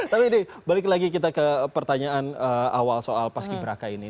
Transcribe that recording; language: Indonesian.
tapi ini balik lagi kita ke pertanyaan awal soal paski beraka ini